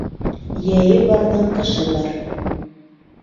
Йәйе барҙың ҡышы бар.